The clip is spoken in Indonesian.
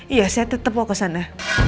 iya saya tetap mau ke sana